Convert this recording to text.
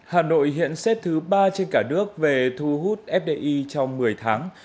hà nội hiện xếp thứ ba trên cả nước về thu hút fdi trong một mươi tháng